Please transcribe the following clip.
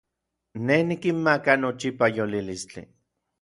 Nej nikinmaka nochipa yolilistli.